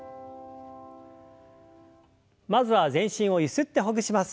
まずは全身をゆすってほぐします。